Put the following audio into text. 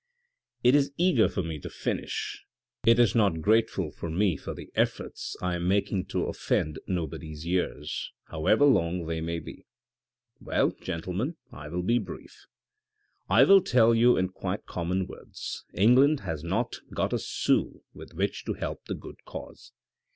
" It is eager for me to finish, it is not grateful to me for 388 THE RED AND THE BLACK the efforts I am making to offend nobody's ears, however long they may be. Well, gentlemen, I will be brief. " I will tell you in quite common words : England has not got a sou with which to help the good cause.